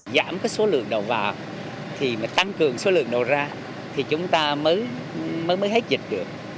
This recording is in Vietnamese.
giảm số lượng đầu vào tăng cường số lượng đầu ra thì chúng ta mới hết dịch được